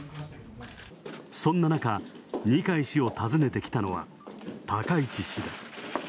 そんななか二階氏を訪ねてきたのは高市氏です。